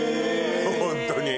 ホントに。